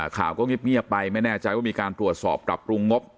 ข่าวก็เงียบไปไม่แน่ใจว่ามีการตรวจสอบปรับปรุงงบ